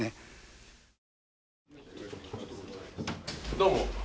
どうも。